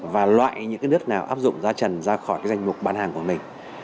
và loại những cái nước nào áp dụng giá trần ra khỏi cái danh mục bán hàng của mình